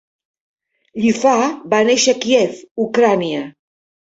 Lifar va néixer a Kíev, Ucraïna.